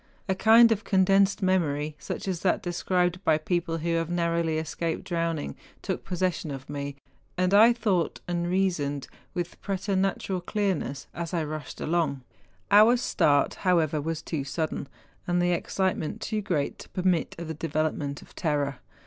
A kind of condensed memory, such as that described 56 MOUNTAIN ADVENTUKES. by people who have narrowl} escaped drowning, took possession of me; and I thought and reasoned with preternatural clearness as I rushed along. Our start, however, was too sudden, and the excitement too great, to permit of the development of terror.